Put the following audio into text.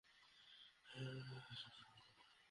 হ্যাঁ, ওই ষাঁড়ের খেলাটা।